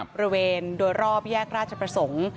บริเวณโดยรอบแยกราชประสงค์